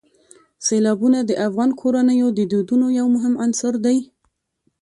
سیلابونه د افغان کورنیو د دودونو یو مهم عنصر دی.